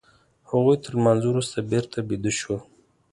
هغوی تر لمانځه وروسته بېرته بيده شول.